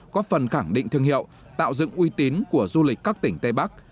góp phần khẳng định thương hiệu tạo dựng uy tín của du lịch các tỉnh tây bắc